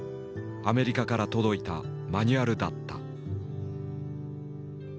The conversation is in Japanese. アメリカから届いたマニュアルだった。